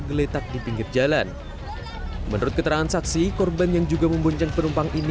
di tkp sih lindas sebanyak atau keserempet banyak